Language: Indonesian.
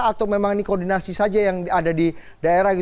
atau memang ini koordinasi saja yang ada di daerah